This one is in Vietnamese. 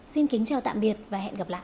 xin kính chào tạm biệt và hẹn gặp lại